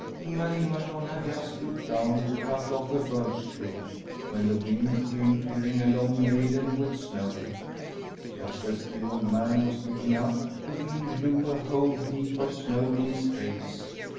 Ing^ar Ing^arson had just stooped down and cut oflF a birch twig, when the wind came tearing along laden with snow. Just as the old man was p^etting up the wind blew a whole heap of snow in his face.